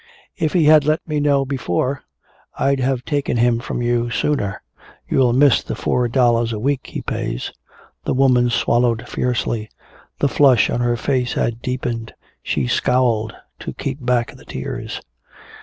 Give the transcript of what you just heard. If he had let me know before I'd have taken him from you sooner. You'll miss the four dollars a week he pays." The woman swallowed fiercely. The flush on her face had deepened. She scowled to keep back the tears.